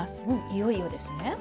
いよいよですね。